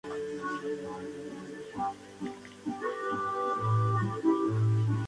Hawkes propone una interpretación simbólica de una transición social.